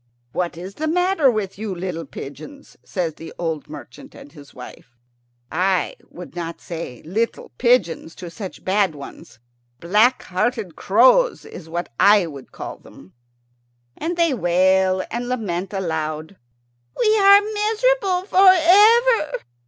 "What is the matter with you, little pigeons?" said the old merchant and his wife. I would not say "little pigeons" to such bad ones. Black hearted crows is what I would call them. And they wail and lament aloud, "We are miserable for ever.